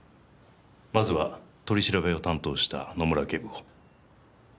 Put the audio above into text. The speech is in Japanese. まずは取り調べを担当した野村警部補。